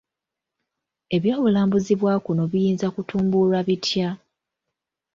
Eby'obulambuzi bwa kuno biyinza kutumbulwa bitya?